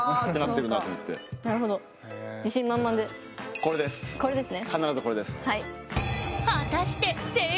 これですね？